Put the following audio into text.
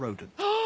ああ。